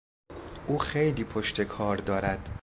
او خیلی پشتکار دارد.